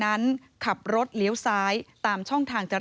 นี่เป็นคลิปวีดีโอจากคุณบอดี้บอยสว่างอร่อย